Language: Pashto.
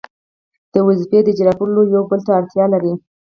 د وظیفې د اجرا کولو لپاره یو بل ته اړتیا لري.